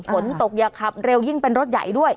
ฝนตกอย่าขับเร็วยิ่งเป็นรถใหญ่ด้วย